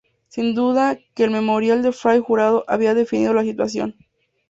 Sin duda que el memorial de Fray Jurado había definido la situación.